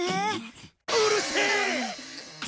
うるせえ！